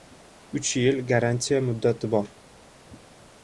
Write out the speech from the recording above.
Uch yil garantiya muddati bor.